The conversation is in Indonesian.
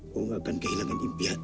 bung akan kehilangan impian itu